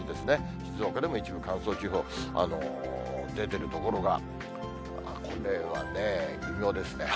静岡でも一部乾燥注意報、出てる所が、これはね、微妙ですね。